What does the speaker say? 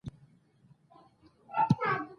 دی په دستي د مقصد ټکي ته ځان رسوي.